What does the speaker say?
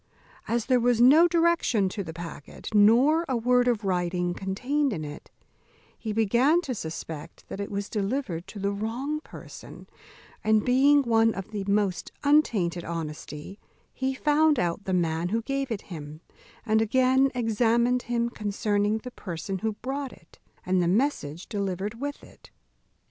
As there was no direction to the packet, nor a word of writing contained in it, he began to suspect that it was delivered to the wrong person; and being one of the most untainted honesty, he found out the man who gave it him, and again examined him concerning the person who brought it, and the message delivered with it.